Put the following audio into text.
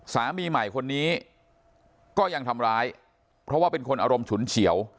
สามีใหม่คนนี้ก็ยังทำร้ายเพราะว่าเป็นคนอารมณ์ฉุนเฉียว